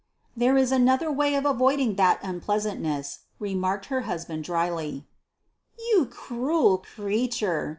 "There is another way of avoiding that unpleasantness," remarked her husband drily. "You cruel creature!"